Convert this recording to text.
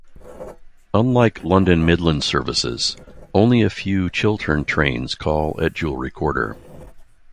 Unlike London Midland services, only a few Chiltern trains call at Jewellery Quarter.